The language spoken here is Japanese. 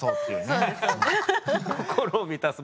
心を満たす。